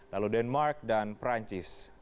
lalu denmark dan perancis